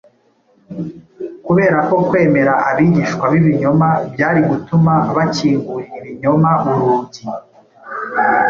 kubera ko kwemera abigisha b’ibinyoma byari gutuma bakingurira ibinyoma urugi